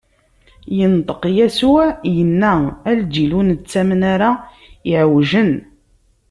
Inṭeq Yasuɛ, inna: A lǧil ur nettamen ara, iɛewjen!